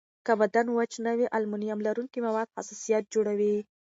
که بدن وچ نه وي، المونیم لرونکي مواد حساسیت جوړوي.